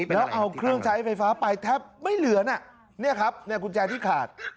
แล้วเอาเครื่องใช้ไฟฟ้าไปแทบไม่เหลือนะเนี่ยครับเนี่ยกุญแจที่ขาด